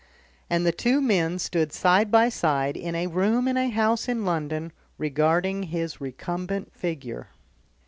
And the two men stood side by side in a room in a house in London regarding his recumbent figure.